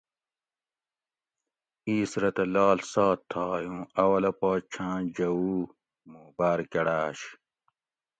ایس رہ تہ لاڷ سات تھائے اوں اولہ پا چھاں جھوؤ مو بار کڑاۤش